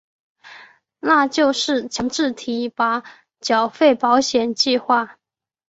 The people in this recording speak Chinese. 那就是强制提拨缴费保险计划。